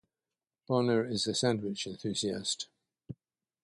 Bonner is a sandwich enthusiast.